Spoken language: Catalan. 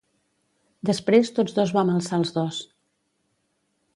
Després tots dos vam alçar els dos.